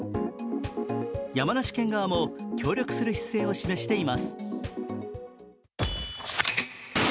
山梨県側も協力する姿勢を示しています。